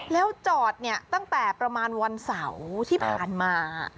แล้วจอดเนี่ยตั้งแต่ประมาณวันเสาร์ที่ผ่านมา